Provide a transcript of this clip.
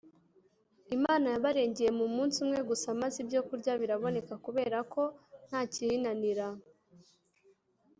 Imana yabarengeye mu munsi umwe gusa maze ibyo kurya biraboneka kubera ko nta kiyinanira